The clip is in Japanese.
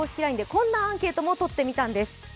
ＬＩＮＥでこんなアンケートもとってみたんです。